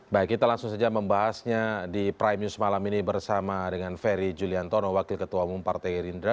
baik kita langsung saja membahasnya di prime news malam ini bersama dengan ferry juliantono wakil ketua umum partai gerindra